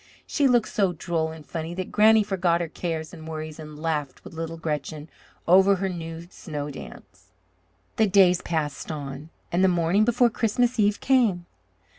She looked so droll and funny that Granny forgot her cares and worries and laughed with little Gretchen over her new snow dance. The days passed on, and the morning before Christmas Eve came.